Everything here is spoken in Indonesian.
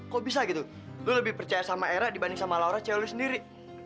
kok bisa gitu lo lebih percaya sama era dibanding sama laura cewek lo sendiri